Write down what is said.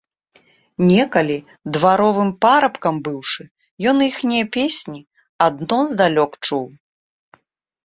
Некалі, дваровым парабкам быўшы, ён іхнія песні адно здалёк чуў.